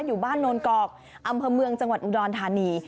อยู่บ้านโนนกอกอำเภอเมืองจังหวัดอุดรธานี